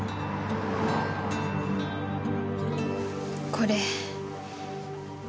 これ。